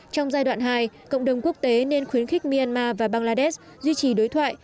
trong giai đoạn hai cộng đồng quốc tế nên khuyến khích myanmar và bangladesh duy trì đối thoại